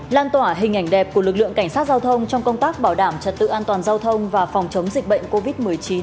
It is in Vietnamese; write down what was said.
lan tỏa hình ảnh đẹp của lực lượng cảnh sát giao thông trong công tác bảo đảm trật tự an toàn giao thông và phòng chống dịch bệnh covid một mươi chín